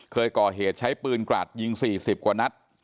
เคยก่อเหตุใช้ปืนกราดยิง๔๐กว่านัด